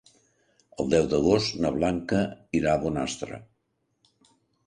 El deu d'agost na Blanca irà a Bonastre.